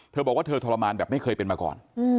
เธอบอกว่าเธอทรมานแบบไม่เคยเป็นมาก่อน